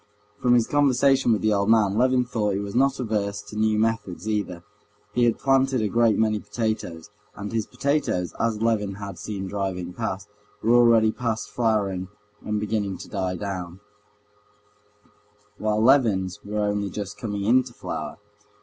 From his conversation with the old man, Levin thought he was not averse to new methods either. He had planted a great many potatoes, and his potatoes, as Levin had seen driving past, were already past flowering and beginning to die down, while Levin's were only just coming into flower.